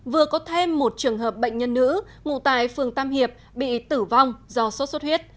vừa có thêm một trường hợp bệnh nhân nữ ngụ tại phường tam hiệp bị tử vong do sốt xuất huyết